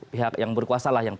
pihak yang berkuasa lah yang